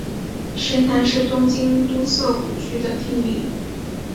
神南是东京都涩谷区的町名。